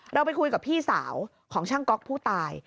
เราไปคุยกับพี่สาวของช่างก๊อกผู้ตาย